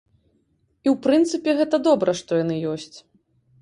І ў прынцыпе, гэта добра, што яны ёсць.